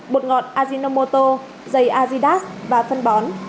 bột ngọt ajinomoto dây azidas và phân bón